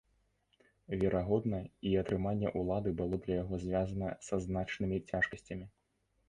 Верагодна, і атрыманне улады было для яго звязана са значнымі цяжкасцямі.